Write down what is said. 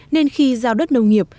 nên khi giao đất nông nghiệp